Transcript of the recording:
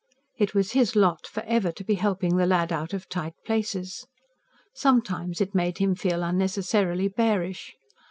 It was his lot for ever to be helping the lad out of tight places. Sometimes it made him feel unnecessarily bearish.